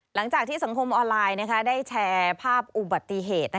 หลังจากที่สังคมออนไลน์ได้แชร์ภาพอุบัติเหตุ